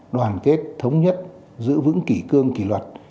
đoàn kết thống nhất giữ vững kỷ cương kỷ luật